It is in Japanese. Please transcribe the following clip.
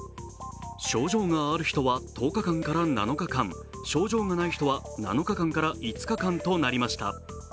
症状がある人は１０日間から７日間、症状がない人は７日間から５日間となりました。